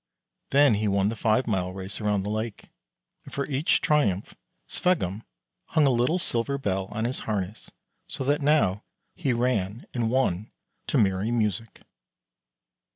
Then he won the five mile race around the lake; and for each triumph Sveggum hung a little silver bell on his harness, so that now he ran and won to merry music.